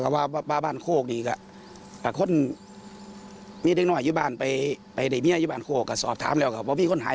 กระดูกในเมนนี่มันกระดูกใครกันแน่